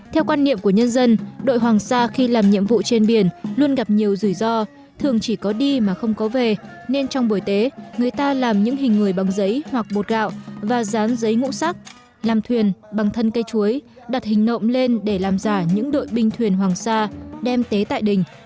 theo quan niệm của nhân dân đội hoàng sa khi làm nhiệm vụ trên biển luôn gặp nhiều rủi ro thường chỉ có đi mà không có về nên trong buổi tế người ta làm những hình người bằng giấy hoặc bột gạo và dán giấy ngũ sắc làm thuyền bằng thân cây chuối đặt hình nộm lên để làm giả những đội binh thuyền hoàng sa đem tế tại đình